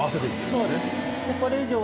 そうです。